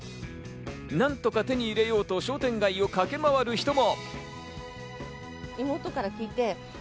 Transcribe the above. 何とか手に入れようと商店街を駆け回る人も。